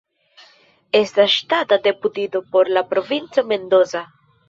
Estas ŝtata deputito por la Provinco Mendoza.